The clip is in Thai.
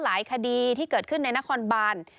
คดีที่เกิดขึ้นในนครบาน